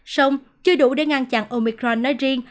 xong chưa đủ để ngăn chặn omicron nói riêng